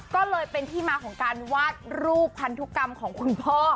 ก็เลยเป็นที่มาของการวาดรูปพันธุกรรมของคุณพ่อ